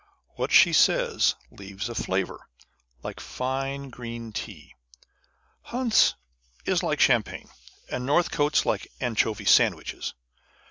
What she says leaves a flavour, like fine green tea. Hunt's is like champagne, and Northcote's like anchovy sandwiches.